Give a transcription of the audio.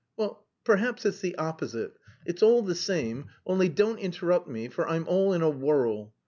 "Well, perhaps it's the opposite; it's all the same, only don't interrupt me, for I'm all in a whirl.